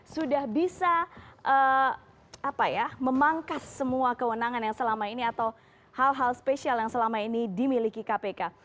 sudah bisa memangkas semua kewenangan yang selama ini atau hal hal spesial yang selama ini dimiliki kpk